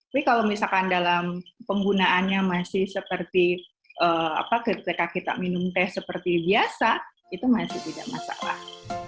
tapi kalau misalkan dalam penggunaannya masih seperti ketika kita minum teh seperti biasa itu masih tidak masalah